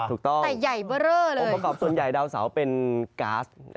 แต่ใหญ่เบอร์เรอเลยอมประกอบส่วนใหญ่ดาวเสาเป็นกราส